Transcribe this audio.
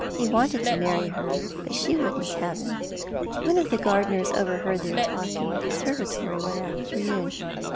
He wanted to marry her, but she wouldn't have him. One of the gardeners overheard their talk in the conservatory one afternoon.